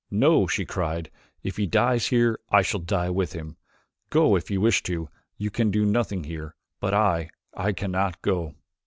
"No," she cried, "if he dies here I shall die with him. Go if you wish to. You can do nothing here, but I I cannot go."